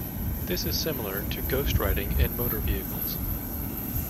This is similar to ghost-riding in motor vehicles.